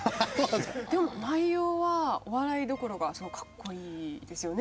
でも内容はお笑いどころかかっこいいですよね。